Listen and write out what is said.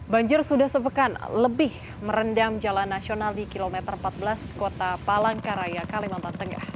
banjir sudah sepekan lebih merendam jalan nasional di kilometer empat belas kota palangkaraya kalimantan tengah